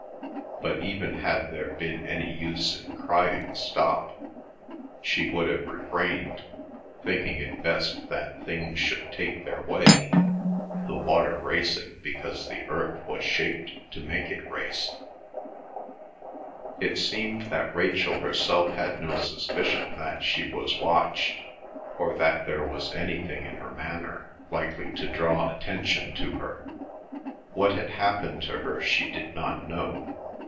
but even had there been any use in crying Stop! she would have refrained, thinking it best that things should take their way, the water racing because the earth was shaped to make it race. It seemed that Rachel herself had no suspicion that she was watched, or that there was anything in her manner likely to draw attention to her. What had happened to her she did not know.